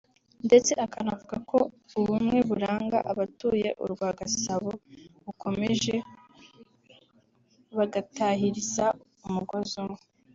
ndetse akanavuga ko ubumwe buranga abatuye u Rwagasabo bukomeje bagatahiriza umugozi umwe